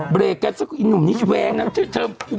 เบรกกันสักครู่นุ่มนี้แวงนะเธอบาด